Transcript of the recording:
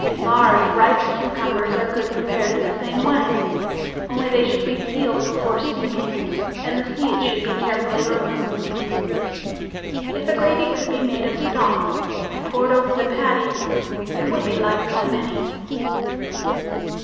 Large ripe cucumbers are good prepared the same way. Only they should be peeled before steaming, and the seeds should be carefully removed. If a gravy could be made of stock and poured over the patties it would be liked by many.